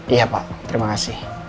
iya pak terima kasih